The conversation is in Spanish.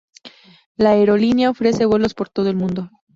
La aerolínea ofrece vuelos por todo el mundo.